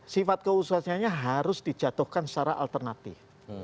sifat kehususannya harus dijatuhkan secara alternatif